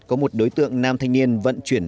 có một đối tượng nam thanh niên vận chuyển